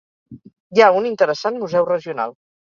Hi ha un interessant Museu regional.